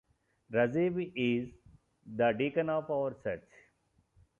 Rajib is the deacon of our church.